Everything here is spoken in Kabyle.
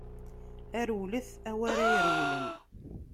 A rewlet a w'ara irewlen!